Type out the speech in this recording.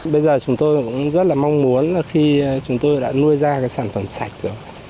bây giờ chúng tôi cũng rất là mong muốn khi chúng tôi đã nuôi ra sản phẩm sạch rồi